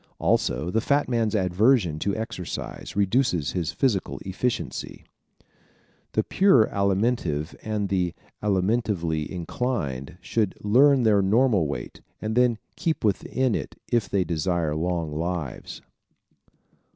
Also, the fat man's aversion to exercise reduces his physical efficiency. The pure Alimentive and the alimentively inclined should learn their normal weight and then keep within it if they desire long lives.